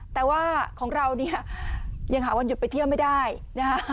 แต่ว่าของเราเนี่ยยังหาวันหยุดไปเที่ยวไม่ได้นะฮะ